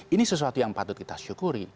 ini sesuatu yang patut kita syukuri